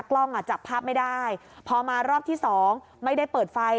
กล้องอ่ะจับภาพไม่ได้พอมารอบที่สองไม่ได้เปิดไฟ